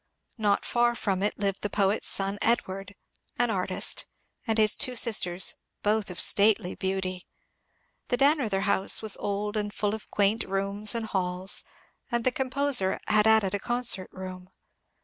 Not far from it lived the poet's son, Edward, an artist, and his two sisters, both of stately beauty. The Dannreuther house was old and full of quaint rooms and halls, and the composer had added a concert room.